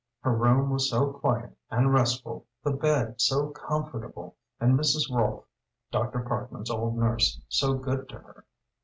Her room was so quiet and restful, the bed so comfortable, and Mrs. Rolfe, Dr. Parkman's old nurse, so good to her.